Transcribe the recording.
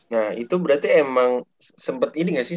nah itu berarti emang sempet ini gak sih